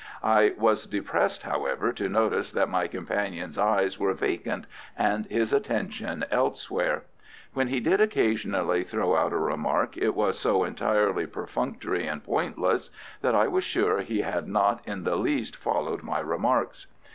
I was depressed, however, to notice that my companion's eyes were vacant and his attention elsewhere. When he did occasionally throw out a remark, it was so entirely perfunctory and pointless, that I was sure he had not in the least followed my remarks.